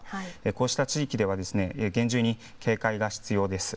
こうした地域では、厳重に警戒が必要です。